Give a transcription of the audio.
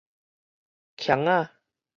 勍仔